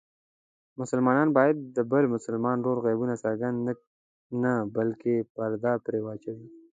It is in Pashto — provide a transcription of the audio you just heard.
مسلمان باید د بل مسلمان ورور عیبونه څرګند نه بلکې پرده پرې واچوي.